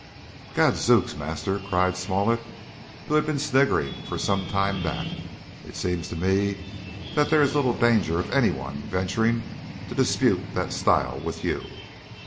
"Gad zooks, master," cried Smollett, who had been sniggering for some time back. "It seems to me that there is little danger of any one venturing to dispute that style with you."